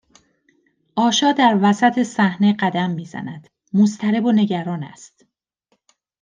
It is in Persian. آشا در وسط صحنه قدم میزند مضطرب و نگران است